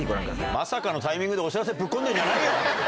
まさかのタイミングでお知らせぶっ込んでんじゃないよ！